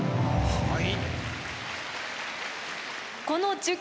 はい！